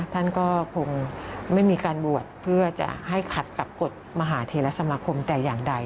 ท่านก็คงไม่มีการบวชเพื่อจะให้ขัดกับกฎมหาเทรสมาคมแต่อย่างใด